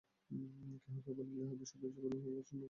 কেহ কেহ বলিল, ইহার বিষয়টা যেমনই হউক, ভাষার বাহাদুরি আছে।